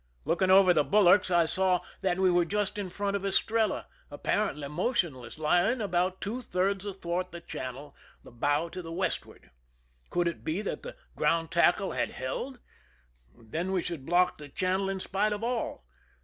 Looking over the bulwarks, I saw that we were just in front of Estrella, apparently motionless, lying about two thirds athwart the channel, the bow to the westward. Could it be that the ground tackle had held? Then we should block the channel in spite of all.